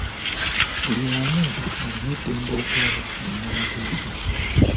Buli omu alina eddembe okulaba munnamateeka.